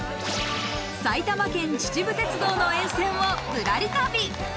埼玉県秩父鉄道の沿線をぶらり旅。